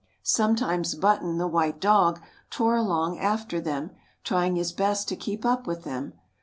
Sometimes Button, the white dog, tore along after them, trying his best to keep up with them.